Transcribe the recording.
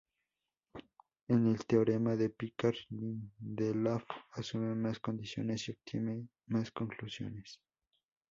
En el teorema de Picard–Lindelöf asume más condiciones y obtiene más conclusiones.